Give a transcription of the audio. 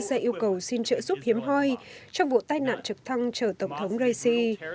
ra yêu cầu xin trợ giúp hiếm hoi trong vụ tai nạn trực thăng chở tổng thống raisi